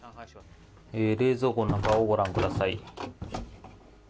冷蔵庫の中をご覧ください。